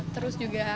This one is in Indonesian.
terus juga harganya